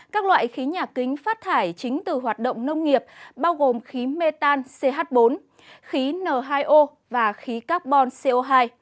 các loại khí nhà kính phát thải chính từ hoạt động nông nghiệp bao gồm khí mê tan ch bốn khí n hai o và khí carbon co hai